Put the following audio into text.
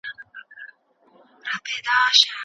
بهرنۍ سوداګري به د سياست له لاري پراخه سي.